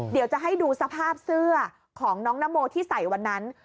เดี๋ยวจะให้ดูสภาพเสื้อของน้องนโมที่ใส่วันนั้น